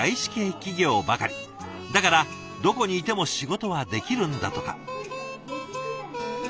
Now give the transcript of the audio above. だからどこにいても仕事はできるんだとか。